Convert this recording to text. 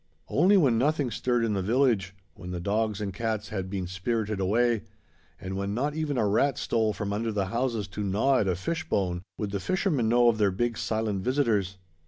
Only when nothing stirred in the village, when the dogs and cats had been spirited away, and when not even a rat stole from under the houses to gnaw at a fishbone, would the fishermen know of their big silent visitors.